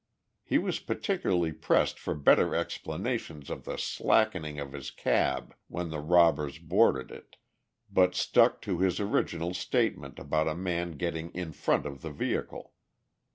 He was particularly pressed for better explanations of the slackening of his cab when the robbers boarded it, but stuck to his original statement about a man getting in front of the vehicle.